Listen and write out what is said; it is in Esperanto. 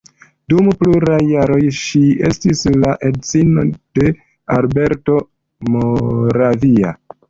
Dum pluraj jaroj ŝi estis la edzino de Alberto Moravia.